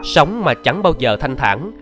sống mà chẳng bao giờ thanh thản